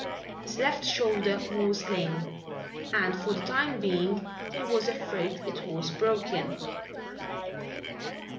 His left shoulder was lame and for the time being he was afraid it was broken.